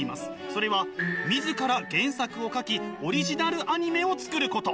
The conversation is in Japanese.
それは自ら原作を書きオリジナルアニメを作ること。